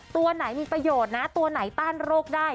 ตัวไหนมีประโยชน์นะตัวไหนต้านโรคได้